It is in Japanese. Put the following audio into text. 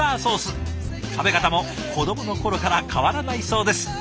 食べ方も子どもの頃から変わらないそうです。